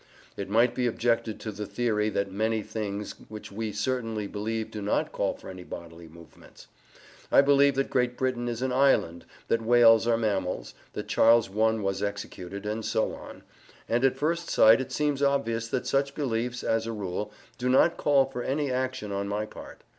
It might be objected to the theory that many things which we certainly believe do not call for any bodily movements. I believe that Great Britain is an island, that whales are mammals, that Charles I was executed, and so on; and at first sight it seems obvious that such beliefs, as a rule, do not call for any action on my part.